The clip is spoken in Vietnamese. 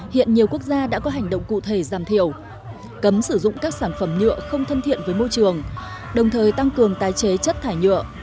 hiện nhiều quốc gia đã có hành động cụ thể giảm thiểu cấm sử dụng các sản phẩm nhựa không thân thiện với môi trường đồng thời tăng cường tái chế chất thải nhựa